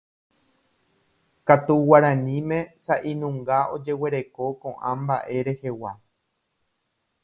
katu guaraníme sa'inunga ojeguereko ko'ã mba'e rehegua